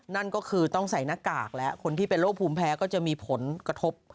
นั่นก็คือต้องใส่หน้ากากแล้วคนที่เป็นโรคภูมิแพ้ก็จะมีผลกระทบ